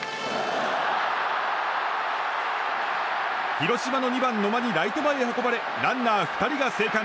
広島の２番、野間にライト前に運ばれランナー２人が生還。